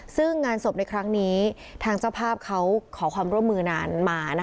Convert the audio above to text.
ซึ่งงานศพในครั้งนี้ทางเจ้าภาพเขาขอความร่วมมือนานมา